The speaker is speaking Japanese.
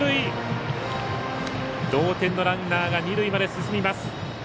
同点のランナーが二塁まで進みます。